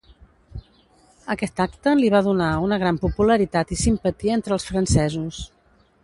Aquest acte li va donar una gran popularitat i simpatia entre els francesos.